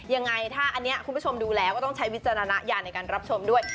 ยังไงถ้าอันนี้คุณผู้ชมดูแล้วก็ต้องใช้วิจารณญาณในการรับชมด้วย